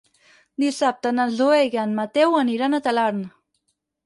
Dissabte na Zoè i en Mateu aniran a Talarn.